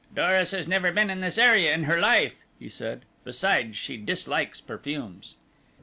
"Doris has never been in this area in her life," he said; "besides, she dislikes perfumes."